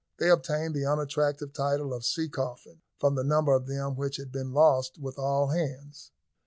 They obtained the unattractive title of sea coffins, from the number of them which had been lost with all hands.